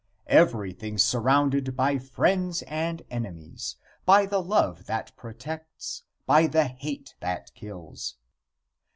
Everything surrounded by friends and enemies by the love that protects, by the hate that kills.